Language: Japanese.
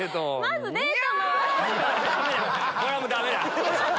これはもうダメだ！